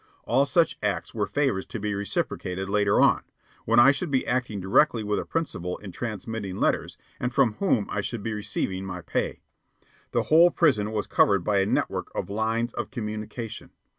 All such acts were favors to be reciprocated later on, when I should be acting directly with a principal in transmitting letters, and from whom I should be receiving my pay. The whole prison was covered by a network of lines of communication.